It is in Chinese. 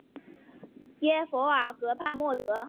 耶弗尔河畔默恩。